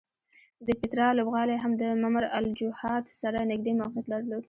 د پیترا لوبغالی هم د ممر الوجحات سره نږدې موقعیت درلود.